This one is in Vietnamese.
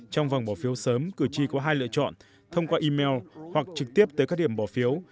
trong vòng bỏ phiếu sớm cử tri có hai lựa chọn thông qua email hoặc trực tiếp tới các điểm bỏ phiếu